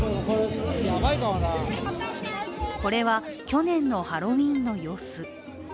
これは去年のハロウィーンの様子。